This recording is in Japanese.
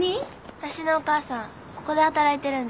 私のお母さんここで働いてるんです